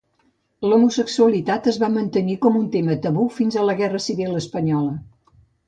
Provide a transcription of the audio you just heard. L'homosexualitat es va mantenir com un tema tabú fins a la Guerra Civil Espanyola.